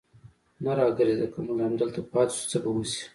نه را ګرځېده، که موږ همدلته پاتې شو، څه به وشي.